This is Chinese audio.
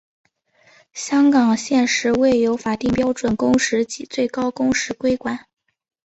香港现时未有法定标准工时及最高工时规管。